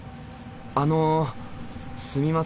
あのすみません